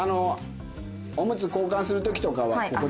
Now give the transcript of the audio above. おむつ交換する時とかはここで。